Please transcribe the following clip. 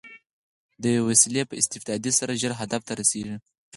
د یوې وسیلې په استفادې سره ژر هدف ته رسېږي.